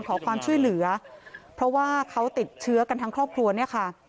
ขอความช่วยเหลือเพราะว่าเขาติดเชื้อกันทั้งครอบครัวเนี่ยค่ะ